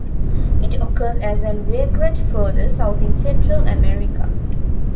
It occurs as an vagrant further south in Central America.